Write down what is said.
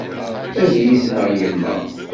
Ad iyi-tneɣ yemma.